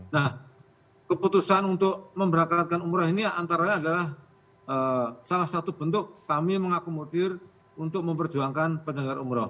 nah keputusan untuk memberangkatkan umroh ini antaranya adalah salah satu bentuk kami mengakomodir untuk memperjuangkan penyelenggara umroh